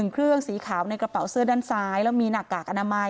เครื่องสีขาวในกระเป๋าเสื้อด้านซ้ายแล้วมีหน้ากากอนามัย